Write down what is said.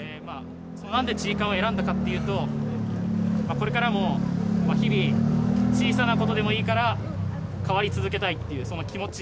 なんでちいかわを選んだかっていうと、これからも日々、小さなことでもいいから変わり続けたいっていうその気持ち。